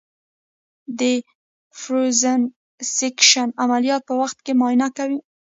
د فروزن سیکشن عملیاتو په وخت معاینه ده.